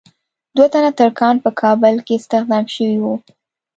دوه تنه ترکان په کابل کې استخدام شوي وو.